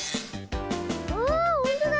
あほんとだ！